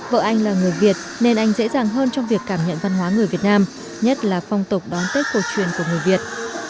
vợ anh là người việt nên anh dễ dàng hơn trong việc cảm nhận văn hóa người việt nam nhất là phong tục đón tết cổ truyền của người việt